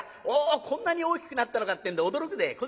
おおこんなに大きくなったのかってんで驚くぜ。